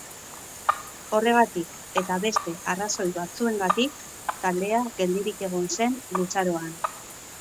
Horregatik eta beste arrazoi batzuengatik, taldea geldirik egon zen luzaroan.